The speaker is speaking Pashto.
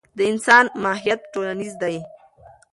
د انسان ماهیت ټولنیز دی.